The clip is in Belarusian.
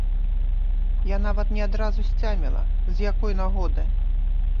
Я нават не адразу сцяміла з якой нагоды.